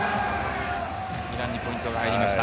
イランにポイントが入りました。